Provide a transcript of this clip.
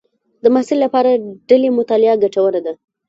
د محصل لپاره ډلې مطالعه ګټوره ده.